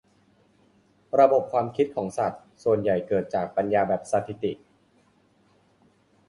ระบบความคิดของสัตว์ส่วนใหญ่เกิดจากปัญญาแบบสถิติ